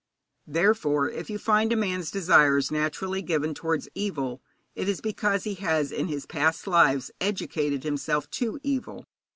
Therefore, if you find a man's desires naturally given towards evil, it is because he has in his past lives educated himself to evil.